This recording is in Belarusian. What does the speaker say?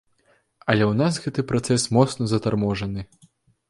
Але ў нас гэты працэс моцна затарможаны.